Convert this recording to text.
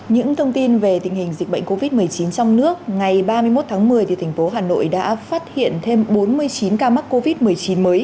những thông tin về tình hình dịch bệnh covid một mươi chín trong nước ngày ba mươi một tháng một mươi thành phố hà nội đã phát hiện thêm bốn mươi chín ca mắc covid một mươi chín mới